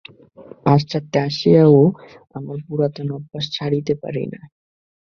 পাশ্চাত্যে আসিয়াও আমার পুরাতন অভ্যাস ছাড়িতে পারি নাই।